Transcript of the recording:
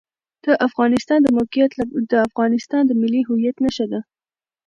د افغانستان د موقعیت د افغانستان د ملي هویت نښه ده.